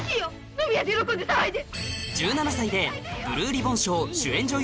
飲み屋で喜んで騒いで！